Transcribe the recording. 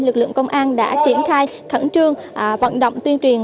lực lượng công an đã triển khai khẩn trương vận động tuyên truyền